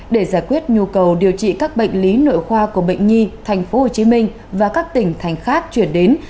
để giải quyết nhu cầu điều trị các bệnh lý nội khoa của bệnh nhi tp hcm và các tỉnh thành khác chuyển đến